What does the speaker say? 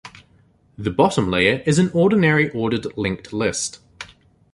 The bottom layer is an ordinary ordered linked list.